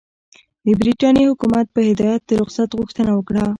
د برټانیې حکومت په هدایت د رخصت غوښتنه وکړه.